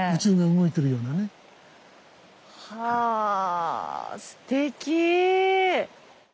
はぁすてき！